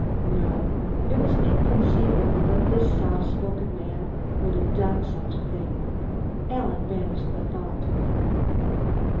No. It was inconceivable that this soft spoken man would have done such a thing. Alan banished the thought.